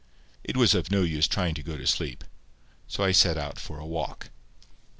It was of no use trying to go to sleep, so I set out for a walk.